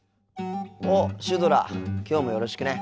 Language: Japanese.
あっシュドラきょうもよろしくね。